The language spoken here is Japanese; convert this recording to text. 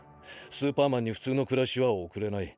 スーパーマンに普通の暮らしは送れない。